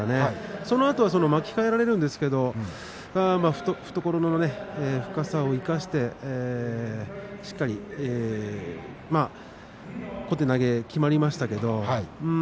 そのあと巻き替えられるんですけれども、懐の深さを生かして小手投げが決まりましたけれども。